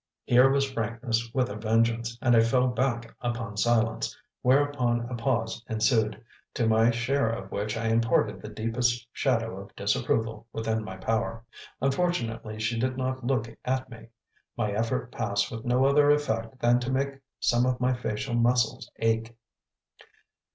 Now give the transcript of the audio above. Here was frankness with a vengeance, and I fell back upon silence, whereupon a pause ensued, to my share of which I imparted the deepest shadow of disapproval within my power. Unfortunately, she did not look at me; my effort passed with no other effect than to make some of my facial muscles ache.